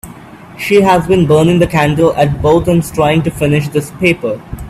She has been burning the candle at both ends trying to finish this paper.